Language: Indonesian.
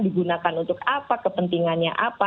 digunakan untuk apa kepentingannya apa